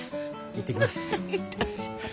行ってきます。